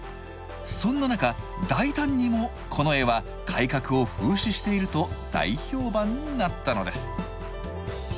そんな中大胆にもこの絵は改革を風刺していると大評判になったのです。